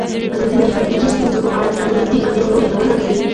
ازادي راډیو د ټرافیکي ستونزې په اړه د امنیتي اندېښنو یادونه کړې.